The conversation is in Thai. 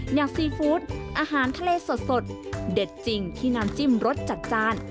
อย่างซีฟู้ดอาหารทะเลสดเด็ดจริงที่น้ำจิ้มรสจัดจาน